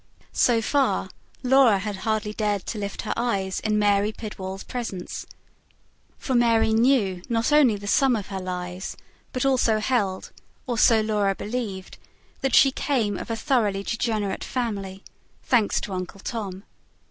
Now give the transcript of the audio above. So far, Laura had hardly dared to lift her eyes in Mary Pidwall's presence. For Mary knew not only the sum of her lies, but also held or so Laura believed that she came of a thoroughly degenerate family; thanks to Uncle Tom.